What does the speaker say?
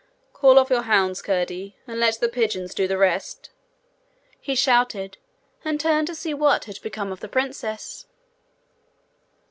'Call off your hounds, Curdie, and let the pigeons do the rest,' he shouted, and turned to see what had become of the princess.